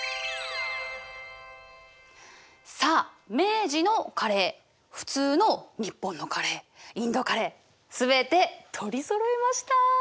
さあ明治のカレー普通の日本のカレーインドカレー全て取りそろえました。